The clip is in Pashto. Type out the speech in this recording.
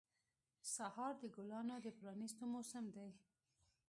سهار د ګلانو د پرانیستو موسم دی.